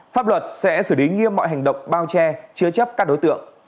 pháp luật sẽ xử lý nghiêm mọi hành động bao che chứa chấp các đối tượng